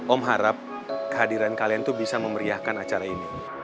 om harap kehadiran kalian tuh bisa memeriahkan acara ini